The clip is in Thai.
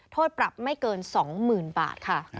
โทษปรับไม่เกิน๒๐๐๐๐บาทค่ะ